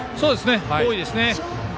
多いですね。